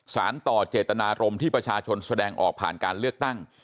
สารต่อเจตนารมณ์ที่ประชาชนแสดงออกผ่านการเลือกตั้ง